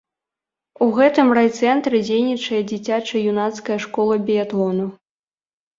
У гэтым райцэнтры дзейнічае дзіцяча-юнацкая школа біятлону.